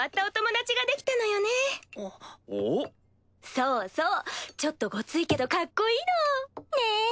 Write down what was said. そうそうちょっとゴツイけどカッコイイの。ね！